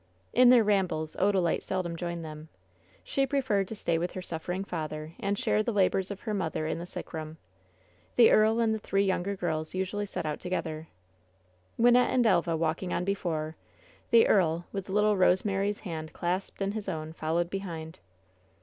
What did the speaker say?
In their rambles Odalite seldom joined them. She preferred to stay with her suffering father, and share the labors of her mother in the sick room. The earl and the three younger girls usually set out together. Wynnette and Elva walking on before; the earl, with little Rosemary's hand clasped in his own, followed be hind.